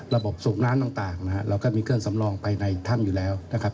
สูบน้ำต่างนะครับเราก็มีเครื่องสำรองไปในถ้ำอยู่แล้วนะครับ